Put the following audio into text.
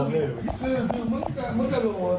คุยกับตำรวจเนี่ยคุยกับตำรวจเนี่ยคุยกับตำรวจเนี่ย